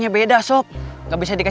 gak keluasan ah tanahnya